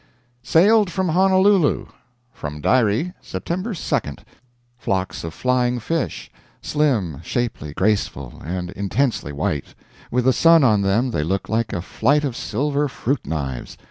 Sailed from Honolulu. From diary: Sept. 2. Flocks of flying fish slim, shapely, graceful, and intensely white. With the sun on them they look like a flight of silver fruit knives.